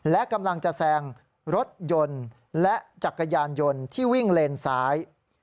และกำลังจะแซงรถยนต์และจักรยานยนต์ที่วิ่งเลนซ้าย